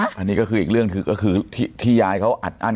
อันนี้ก็คืออีกเรื่องก็คือที่ยายเขาอัดอั้น